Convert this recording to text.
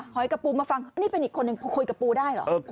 กับปูมาฟังนี่เป็นอีกคนนึงคุยกับปูได้เหรอ